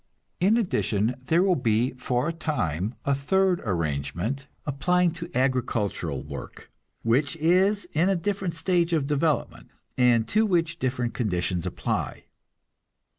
In addition, there will be for a time a third arrangement, applying to agricultural work, which is in a different stage of development, and to which different conditions apply.